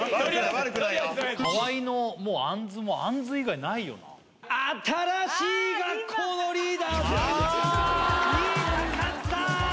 悪くないよ河井のもうあんずもあんず以外ないよな新しい学校のリーダーズ言いたかったー！